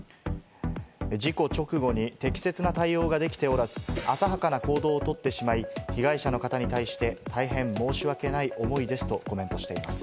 事故直後に適切な対応ができておらず、浅はかな行動をとってしまい、被害者の方に対して、大変申し訳ない思いですとコメントしています。